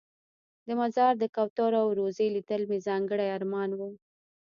د مزار د کوترو او روضې لیدل مې ځانګړی ارمان و.